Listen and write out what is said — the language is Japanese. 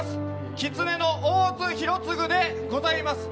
きつねの大津広次でございます。